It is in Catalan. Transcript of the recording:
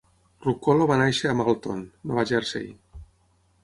Ruccolo va néixer a Marlton, Nova Jersey.